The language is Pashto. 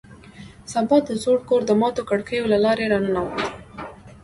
سبا د زوړ کور د ماتو کړکیو له لارې راننوت